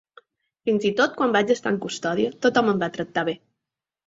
Fins i tot quan vaig estar en custòdia, tothom em va tractar bé.